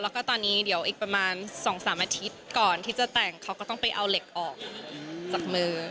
แล้วก็ตอนนี้เดี๋ยวอีกประมาณ๒๓อาทิตย์ก่อนที่จะแต่งเขาก็ต้องไปเอาเหล็กออกจากมือ